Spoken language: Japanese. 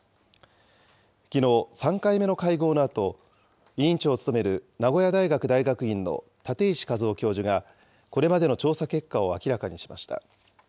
きのう、３回目の会合のあと、委員長を務める名古屋大学大学院の舘石和雄教授がこれまでの調査結果を明らかにしました。